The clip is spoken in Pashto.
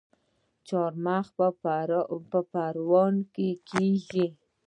چارمغز په پروان کې کیږي